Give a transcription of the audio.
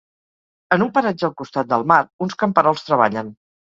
En un paratge al costat del mar, uns camperols treballen.